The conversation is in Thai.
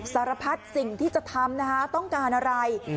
สารพัดสิ่งที่จะทำนะคะต้องการอะไร